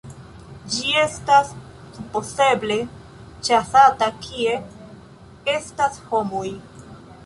Ĝi estas supozeble ĉasata kie estas homoj.